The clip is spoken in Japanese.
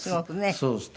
そうですね。